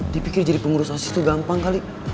dipikir jadi pengurus osis tuh gampang kali